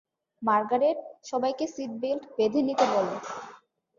Margaret, সবাইকে seat belt বেঁধে নিতে বলো।